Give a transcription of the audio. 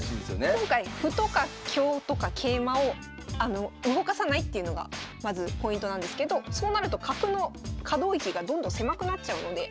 今回歩とか香とか桂馬を動かさないっていうのがまずポイントなんですけどそうなると角の可動域がどんどん狭くなっちゃうので。